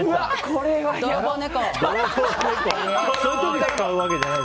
泥棒猫！